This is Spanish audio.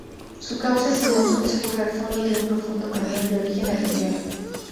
Su cauce sinuoso discurre al fondo de un profundo cañón de origen aluvial.